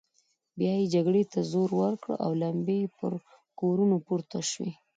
بيا يې جګړې ته زور ورکړ او لمبې يې پر کورونو پورته شوې.